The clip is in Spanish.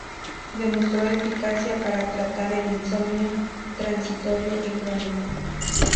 Demostró eficacia para tratar el insomnio transitorio y crónico.